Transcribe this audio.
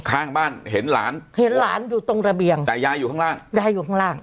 ข้างบ้านเห็นหลานเห็นหลานอยู่ตรงระเบียงแต่ยายอยู่ข้างล่างยายอยู่ข้างล่าง